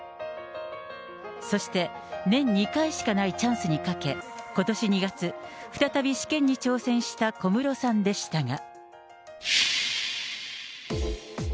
そして、年２回しかないチャンスにかけ、ことし２月、再び試験に挑戦した小室さんでしたが。